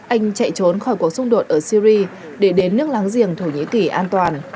anh chạy trốn khỏi cuộc xung đột ở syri để đến nước láng giềng thổ nhĩ kỳ an toàn